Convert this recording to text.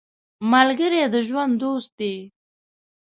ملګری د ژوند دوست دی